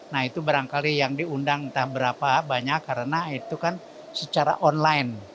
nah itu barangkali yang diundang entah berapa banyak karena itu kan secara online